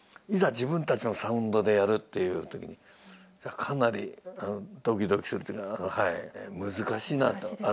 自分たちのサウンドでやるっていう時にかなりドキドキするっていうかはい難しいなと改めてはい。